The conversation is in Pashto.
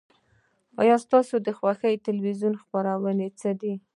ستا د خوښې تلویزیون خپرونه څه ده؟